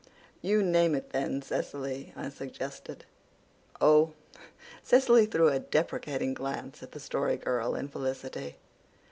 "You name it then, Cecily," I suggested. "Oh!" Cecily threw a deprecating glance at the Story Girl and Felicity.